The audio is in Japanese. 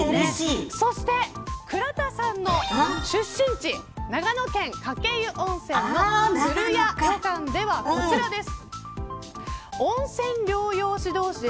そして倉田さんの出身地長野県鹿教湯温泉のつるや旅館では、こちらです。